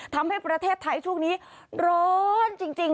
ทำให้ประเทศไทยช่วงนี้ร้อนจริง